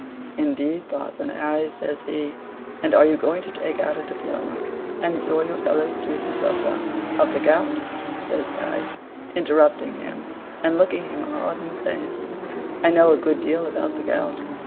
"Indeed, Parson Harry," says he; "and are you going to take out a diploma: and cure your fellow students of the " "Of the gout," says Harry, interrupting him, and looking him hard in the face; "I know a good deal about the gout."